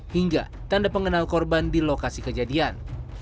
hingga tanda pengenal korban di lokasi kejadian